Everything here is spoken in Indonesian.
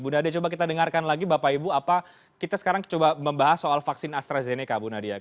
bu nadia coba kita dengarkan lagi bapak ibu apa kita sekarang coba membahas soal vaksin astrazeneca bu nadia